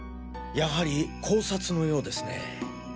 やはり絞殺のようですね。